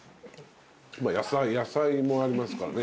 野菜もありますからね。